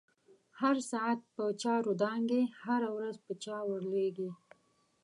هر ساعت په چاور دانګی، هزه ورځ په چا ور لويږی